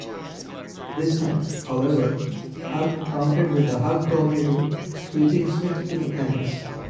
This time, however, Hug countered with the "Hug Tornado", sweeping Smith to the canvas.